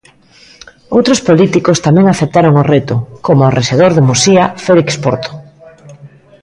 Outros políticos tamén aceptaron o reto, coma o rexedor de Muxía, Félix Porto.